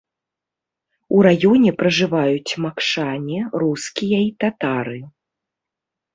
У раёне пражываюць макшане, рускія і татары.